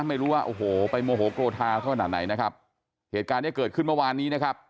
ไม่รู้ว่าโอ้โหไปโมโหกรทาเขาขนาดไหนนะครับเหตุการณ์เนี้ยเกิดขึ้นเมื่อวานนี้นะครับ